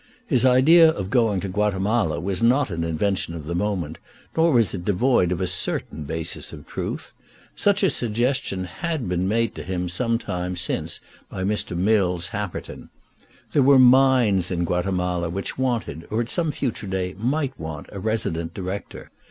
His idea of going to Guatemala was not an invention of the moment, nor was it devoid of a certain basis of truth. Such a suggestion had been made to him some time since by Mr. Mills Happerton. There were mines in Guatemala which wanted, or at some future day might want, a resident director.